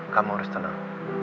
kamu harus tenang